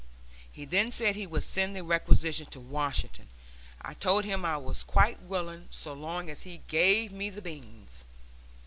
He then said he would send the requisition to Washington. I told him I was quite willing, so long as he gave me the beans.